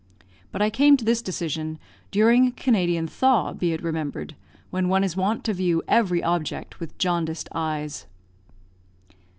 But I came to this decision during a Canadian thaw, be it remembered, when one is wont to view every object with jaundiced eyes.